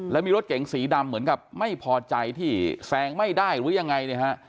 แล้วมีรถเก๋งสีดำเหมือนกับไม่พอใจที่แซงไม่ได้หรือยังไงเนี่ยฮะ